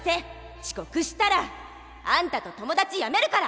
ちこくしたらあんたと友達やめるから。